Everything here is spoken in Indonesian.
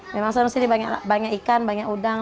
memang selalu sini banyak ikan banyak udang